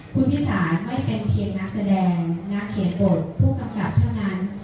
คุณพิสารไม่เป็นเพียงนักแสดงนักเขียนบทผู้กำกับเท่านั้น